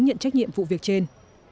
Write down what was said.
hãy nhận trách nhiệm vụ việc trên